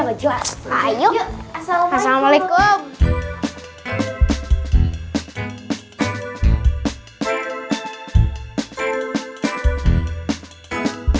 enggak jelas ayo assalamualaikum